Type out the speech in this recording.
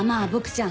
ちゃん